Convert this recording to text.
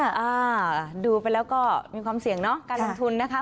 อ่าดูไปแล้วก็มีความเสี่ยงเนอะการลงทุนนะคะ